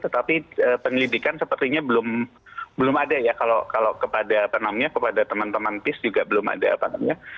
tetapi penyelidikan sepertinya belum ada ya kalau kepada teman teman pis juga belum ada apa namanya